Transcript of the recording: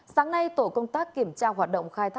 sáng nay tổ công tác kiểm tra hoạt động khai thác